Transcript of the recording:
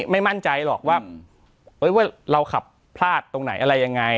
มั่นใจหรอกอืมว่าโอ๊ยว่าเราขับพลาดตรงไหนอะไรยังไง